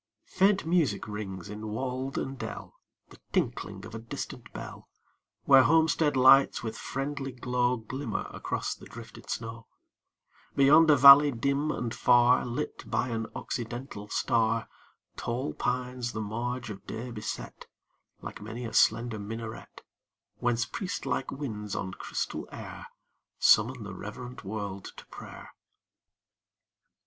80 ni Faint music rings in wold and dell, The tinkling of a distant bell, Where homestead lights with friendly glow Glimmer across the drifted snow ; Beyond a valley dim and far Lit by an occidental star, Tall pines the marge of day beset Like many a slender minaret, Whence priest like winds on crystal air Summon the reverent world to prayer.